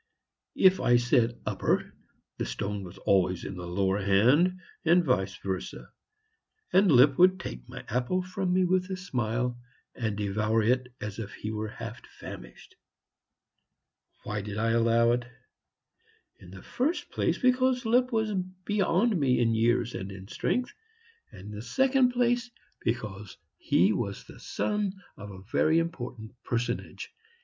If I said "upper," the stone was always in the lower hand, and vice versa. And Lipp would take my apple from me with a smile, and devour it as if he were half famished. Why did I allow it? In the first place because Lipp was beyond me in years and in strength, and in the second place, because he was the son of a very important personage.